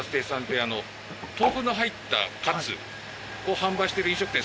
豆腐の入ったカツを販売している飲食店。